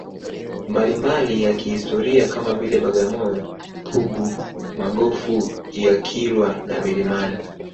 mbalimbali ya kihistoria kama vile Bagamoyo Pugu Magofu ya Kilwa na milimani